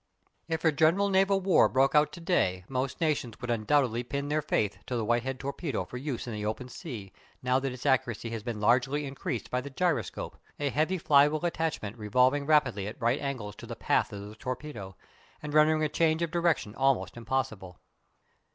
If a general naval war broke out to day most nations would undoubtedly pin their faith to the Whitehead torpedo for use in the open sea, now that its accuracy has been largely increased by the gyroscope, a heavy flywheel attachment revolving rapidly at right angles to the path of the torpedo, and rendering a change of direction almost impossible.